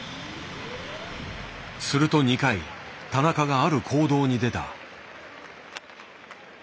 すると２回田中がある行動に出た。